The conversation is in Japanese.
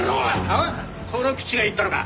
おいこの口が言ったのか！？